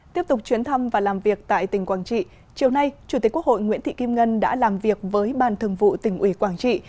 tiếp tục chuyến thăm và làm việc tại tỉnh quảng trị chiều nay chủ tịch quốc hội nguyễn thị kim ngân đã làm việc với ban thường vụ tỉnh ủy quảng trị